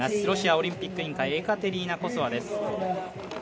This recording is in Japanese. ロシアオリンピック委員会エカテリーナ・コソワです。